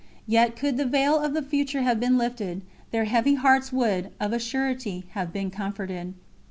Yet, could the veil of the future have been lifted, their heavy hearts would, of a surety, have been comforted.